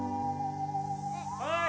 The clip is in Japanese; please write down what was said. おい！